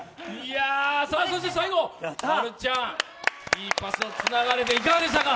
そして最後、華ちゃん、いいパスがつながれていかがでしたか？